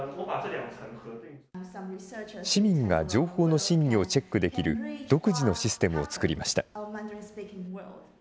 市民が情報の真偽をチェックできる、独自のシステムを作りました。